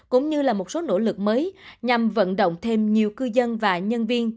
cũng như là một số nỗ lực mới nhằm vận động thêm nhiều cư dân và nhân viên